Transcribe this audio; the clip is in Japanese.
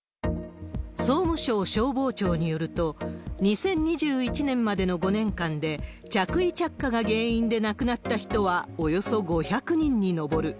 総務省消防庁によると、２０２１年までの５年間で、着衣着火が原因で亡くなった人はおよそ５００人に上る。